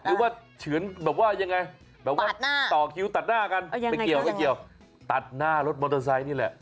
ตัดอะไรหรือว่าเฉือนแบบว่ายังไงต่อคิ้วตัดหน้ากันไม่เกี่ยวตัดหน้ารถมอเตอร์ไซค์นี่แหละ